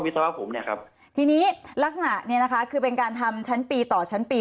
สำหรับผมเนี่ยครับทีนี้ลักษณะเนี่ยนะคะคือเป็นการทำชั้นปีต่อชั้นปี